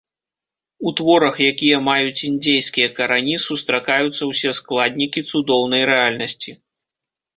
У творах, якія маюць індзейскія карані, сустракаюцца ўсе складнікі цудоўнай рэальнасці.